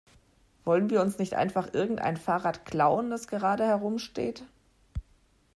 Wollen wir uns nicht einfach irgendein Fahrrad klauen, das gerade herumsteht?